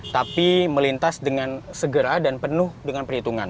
tapi melintas dengan segera dan penuh dengan perhitungan